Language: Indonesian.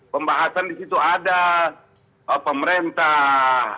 pembahasan di situ ada pemerintah